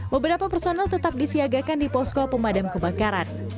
beberapa personel tetap disiagakan di posko pemadam kebakaran